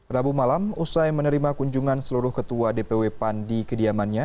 rabu malam usai menerima kunjungan seluruh ketua dpw pan di kediamannya